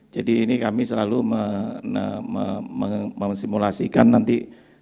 jadi ini kami selalu memasimulasikan nanti